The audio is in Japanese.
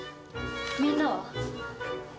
みんなは？